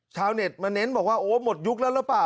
ชาวเน็ตมาเน้นบอกว่าโอ้หมดยุคแล้วหรือเปล่า